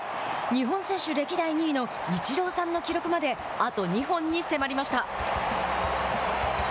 日本選手歴代２位のイチローさんの記録まであと２本に迫りました。